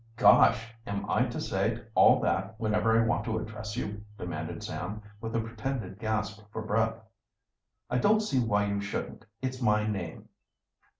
"Gosh! Am I to say all that whenever I want to address you?" demanded Sam, with a pretended gasp for breath. "I don't see why you shouldn't. It's my name."